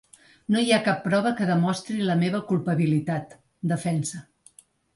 No hi ha cap prova que demostri la meva culpabilitat, defensa.